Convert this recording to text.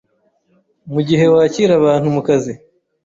Mu gihe wakira abantu mu kazi